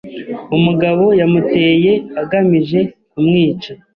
Umugabo yamuteye agamije kumwica.